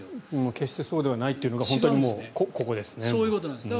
決してそうではないというのが、ここですね。